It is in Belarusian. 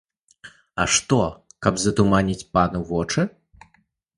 А што, каб затуманіць пану вочы?!